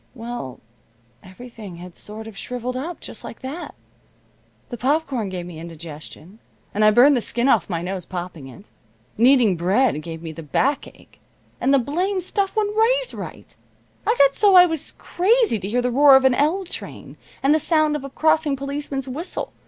Well, everything had sort of shriveled up just like that. The popcorn gave me indigestion, and I burned the skin off my nose popping it. Kneading bread gave me the backache, and the blamed stuff wouldn't raise right. I got so I was crazy to hear the roar of an L train, and the sound of a crossing policeman's whistle.